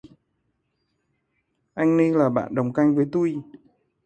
Anh ni là bạn đồng canh với tui